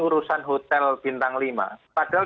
urusan hotel bintang lima padahal